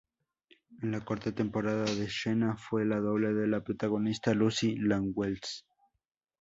En la cuarta temporada de Xena fue la doble de la protagonista Lucy Lawless.